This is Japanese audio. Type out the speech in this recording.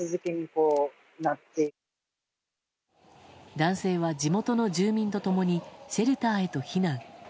男性は、地元の住民と共にシェルターへと避難。